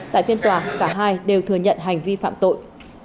tại phiên tòa cả hai đều thừa nhận hành vi phạm tội